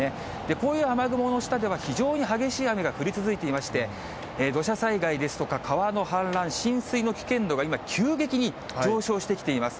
こういう雨雲の下では非常に激しい雨が降り続いていまして、土砂災害ですとか、川の氾濫、浸水の危険度が今、急激に上昇してきています。